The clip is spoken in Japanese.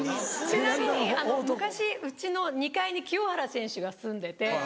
ちなみに昔うちの２階に清原選手が住んでて。